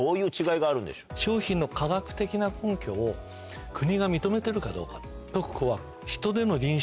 商品の科学的な根拠を国が認めてるかどうか。